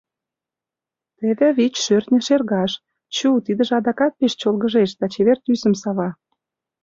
Теве вич шӧртньӧ шергаш, Чу, тидыже адакат пеш чолгыжеш да чевер тӱсым сава.